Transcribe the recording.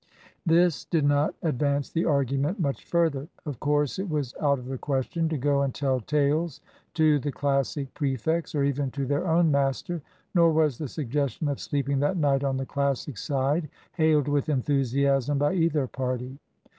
This did not advance the argument much further. Of course it was out of the question to go and tell tales to the Classic prefects, or even to their own master. Nor was the suggestion of sleeping that night on the Classic side hailed with enthusiasm by either party.